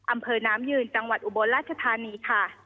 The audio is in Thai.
อำเภอน้ำยืนจังหวัดอุบลราชธานีค่ะ